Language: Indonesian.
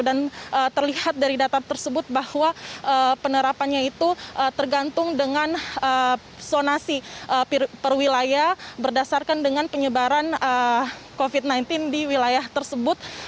dan terlihat dari data tersebut bahwa penerapannya itu tergantung dengan sonasi perwilaya berdasarkan dengan penyebaran covid sembilan belas di wilayah tersebut